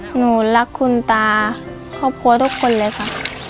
หนูรักคุณตาครอบครัวทุกคนเลยค่ะ